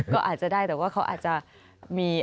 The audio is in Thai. ก็อาจจะได้แต่ว่าเขาอาจจะมี